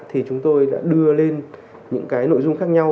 thì chúng tôi đã đưa lên những cái nội dung khác nhau